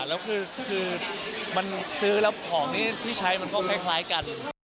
แล้วคือมันซื้อแล้วของนี้ที่ใช้มันก็คล้ายกัน